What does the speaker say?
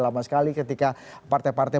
lama sekali ketika partai partai